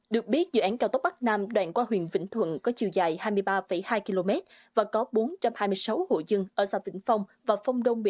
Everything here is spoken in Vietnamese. được biết dự án cao tốc bắc nam đoạn qua huyện vĩnh thuận